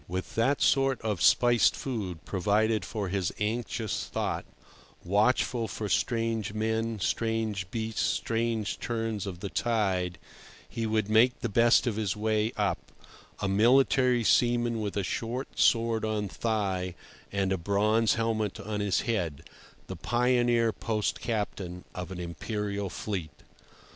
With that sort of spiced food provided for his anxious thought, watchful for strange men, strange beasts, strange turns of the tide, he would make the best of his way up, a military seaman with a short sword on thigh and a bronze helmet on his head, the pioneer post captain of an imperial fleet.